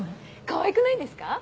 かわいくないですか？